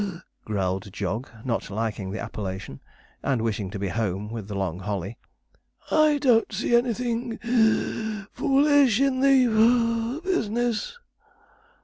growled Jog, not liking the appellation, and wishing to be home with the long holly. 'I don't see anything (wheeze) foolish in the (puff) business.'